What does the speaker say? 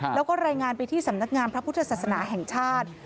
แล้วก็รายงานไปที่สำนักงานพระพุทธศาสนาแห่งชาติ